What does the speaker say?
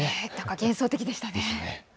幻想的でしたね。